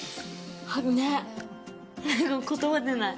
ねっ言葉出ない